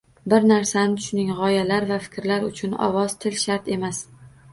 Bir narsani tushuning, g‘oyalar va fikrlar uchun ovoz, til shart emas.